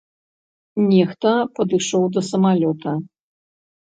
Нехта падышоў да самалёта.